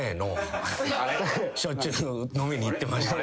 「しょっちゅう飲みに行ってました」は。